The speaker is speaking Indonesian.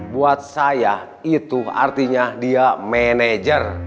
buat saya itu artinya dia manajer